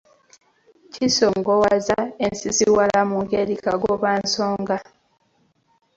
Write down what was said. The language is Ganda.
Kisongawaza ensisiwala mu ngeri kagobansonga